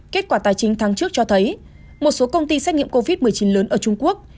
kết quả tài chính tháng trước cho thấy một số công ty xét nghiệm covid một mươi chín lớn ở trung quốc